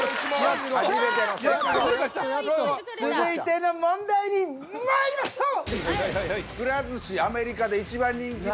続いての問題にまいりましょう！